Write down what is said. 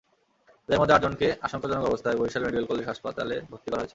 এদের মধ্যে আটজনকে আশঙ্কাজনক অবস্থায় বরিশাল মেডিকেল কলেজ হাসপাতালে ভর্তি করা হয়েছে।